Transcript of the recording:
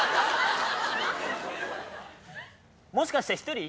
もしかして一人？